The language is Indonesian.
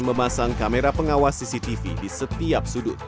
memasang kamera pengawas cctv di setiap sudut